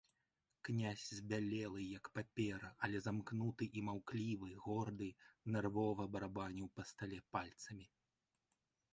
Князь збялелы, як папера, але замкнуты і маўклівы, горды, нэрвова барабаніў па стале пальцамі.